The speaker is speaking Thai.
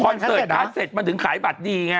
เสิร์ตพาเสร็จมันถึงขายบัตรดีไง